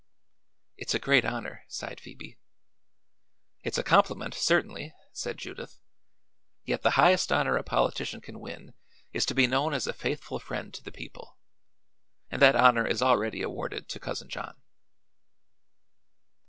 "It's a great honor," sighed Phoebe. "It's a compliment, certainly," said Judith. "Yet the highest honor a politician can win is to be known as a faithful friend to the people, and that honor is already awarded to Cousin John."